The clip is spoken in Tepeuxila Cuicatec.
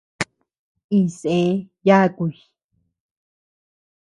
Iñsé yakuy.